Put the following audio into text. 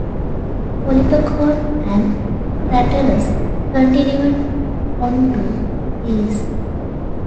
Polyperchon and Craterus continued onto Greece.